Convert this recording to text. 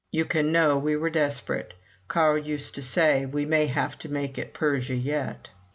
You can know we were desperate. Carl used to say: "We may have to make it Persia yet."